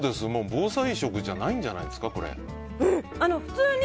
防災食じゃないんじゃないですか。